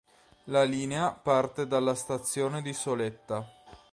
La linea parte dalla stazione di Soletta.